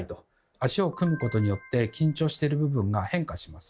足を組むことによって緊張してる部分が変化します。